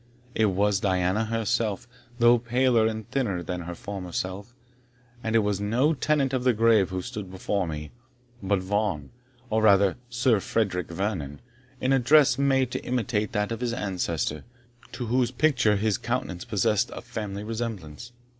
It was Diana herself, though paler and thinner than her former self; and it was no tenant of the grave who stood beside her, but Vaughan, or rather Sir Frederick Vernon, in a dress made to imitate that of his ancestor, to whose picture his countenance possessed a family resemblance.